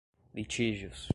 litígios